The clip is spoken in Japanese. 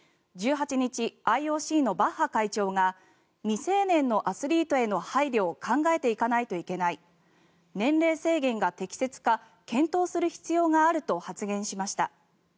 １８日、ＩＯＣのバッハ会長が未成年のアスリートへの配慮を考えていかないといけない年齢制限が適切か検討する必要があると発言しました。